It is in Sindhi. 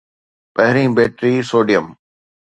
پهرين بيٽري سوڊيم